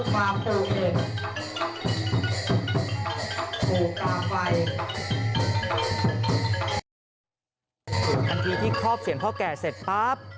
บางทีที่ครอบเสียรือศรีพ่อแก่เสร็จปั๊บ